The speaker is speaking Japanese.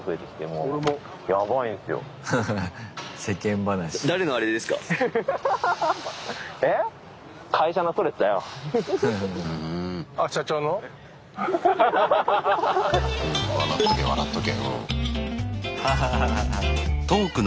うん笑っとけ笑っとけ。